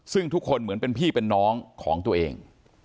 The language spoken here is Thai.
ซึ่งทุกคนเหมือนเป็นพี่เป็นน้องของตัวเอง